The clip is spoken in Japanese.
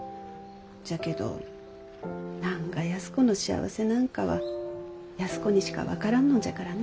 じゃけど何が安子の幸せなんかは安子にしか分からんのじゃからな。